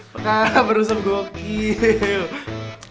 pekan berusap gokil